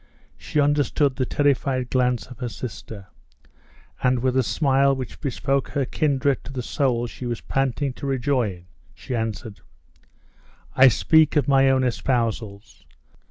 She understood the terrified glance of her sister, and with a smile which bespoke her kindred to the soul she was panting to rejoin, she answered, "I speak of my own espousals.